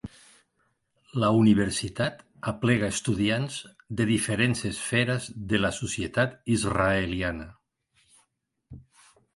La Universitat aplega estudiants de diferents esferes de la societat israeliana.